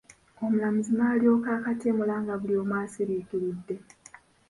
Omulamuzi n’alyoka akatyemula nga buli omu asiriikiridde.